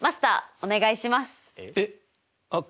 お願いします。